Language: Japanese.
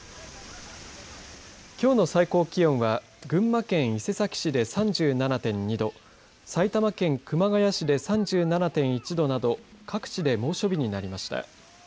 きょうの最高気温は群馬県伊勢崎市で３７．２度埼玉県熊谷市で３７．１度など各地で猛暑日になりました。